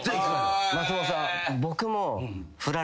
松本さん。